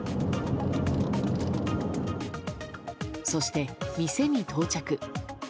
そして、店に到着。